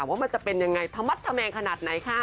ว่ามันจะเป็นยังไงธมัดทะแมงขนาดไหนคะ